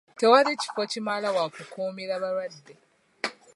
Tewali kifo kimala wakukuumira balwadde.